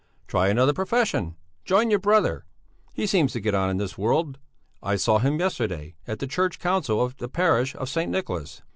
"Try another profession; join your brother; he seems to get on in this world. I saw him yesterday at the church council of the Parish of St. Nicholas."